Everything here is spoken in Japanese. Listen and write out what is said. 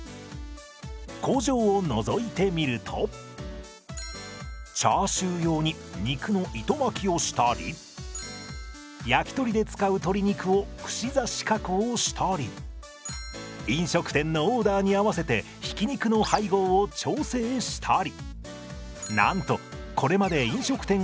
工場をのぞいてみるとチャーシュー用に肉の糸巻きをしたり焼き鳥で使う鶏肉を串刺し加工したり飲食店のオーダーに合わせてひき肉の配合を調整したり。